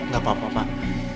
gak apa apa pak